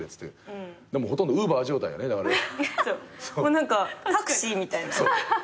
何かタクシーみたいな。